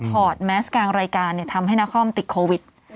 อดแมสกลางรายการทำให้นาคอมติดโควิด